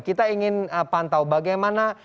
kita ingin pantau bagaimana